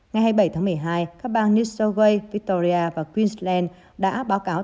ngày hai mươi bảy tháng một mươi hai các bang new south way victoria và queensland đã báo cáo